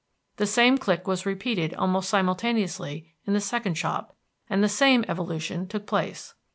That same click was repeated almost simultaneously in the second shop, and the same evolution took place.